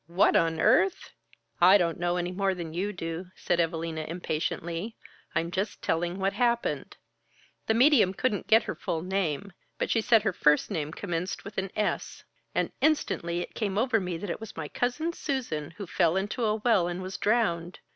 "What on earth " "I don't know any more than you do," said Evalina impatiently. "I'm just telling what happened. The Medium couldn't get her full name, but she said her first name commenced with 'S.' And instantly, it came over me that it was my Cousin Susan who fell into a well and was drowned.